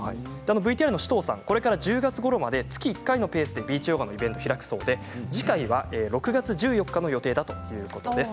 ＶＴＲの市東さん、これから１０月ごろまで月１回のペースでビーチヨガのイベントを開くそうで次回は６月１４日の予定ということです。